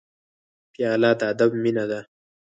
پیاله د ادب مینه ده.